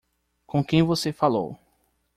Com quem você falou?